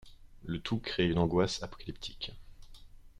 Le tout crée une angoisse apocalyptique.